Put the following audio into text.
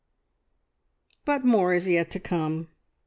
"But more is yet to come.